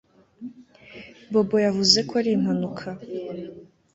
Bobo yavuze ko ari impanuka